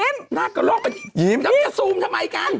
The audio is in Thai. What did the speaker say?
หน้ากระโลกก็ยิ้มจะซูมทำไมกัน